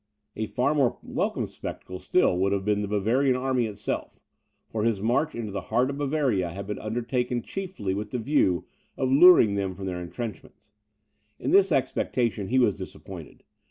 A far more welcome spectacle still would have been the Bavarian army itself; for his march into the heart of Bavaria had been undertaken chiefly with the view of luring them from their entrenchments. In this expectation he was disappointed.